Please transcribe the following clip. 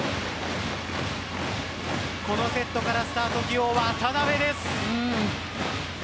このセットからスタート起用、渡邊です。